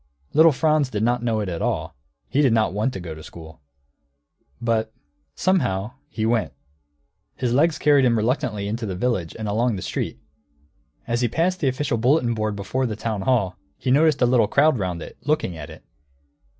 Little Franz did not know it at all. He did not want to go to school. But, somehow, he went. His legs carried him reluctantly into the village and along the street. As he passed the official bulletin board before the town hall, he noticed a little crowd round it, looking at it.